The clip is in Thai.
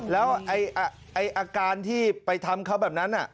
แล้วอาการที่ไปทำเขาแบบนั้น